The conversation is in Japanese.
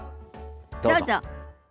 どうぞ。